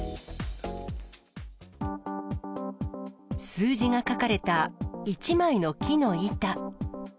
数字が書かれた一枚の木の板。